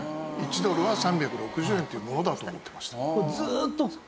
１ドルは３６０円っていうものだと思ってました。